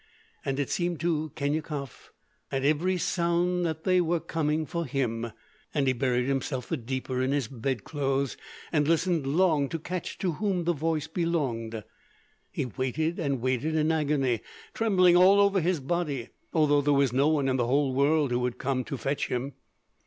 And it seemed to Khinyakov at every sound that they were coming for him, and he buried himself the deeper in his bedclothes, and listened long to catch to whom the voice belonged. He waited and waited in agony, trembling all over his body, although there was no one in the whole world who would come to fetch him.